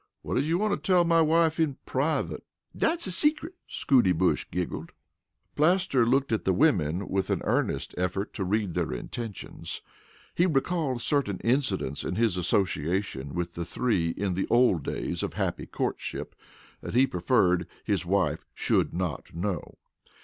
"Whut does you want to tell my wife in privut?" "Dat's a secret," Scootie Bush giggled. Plaster looked at the women with an earnest effort to read their intentions. He recalled certain incidents in his association with the three in the old days of happy courtship that he preferred his wife should not know.